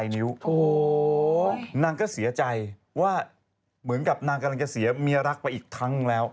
นางก็เสียใจว่าเหมือนกับนางกำลังจะเสียเมียรักไปอีกครั้งแล้ว